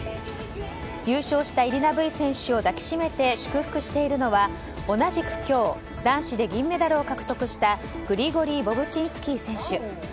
優勝したイリナ・ブイ選手を抱きしめて祝福しているのは同じく今日男子で銀メダルを獲得したグリゴリー・ボブチンスキー選手。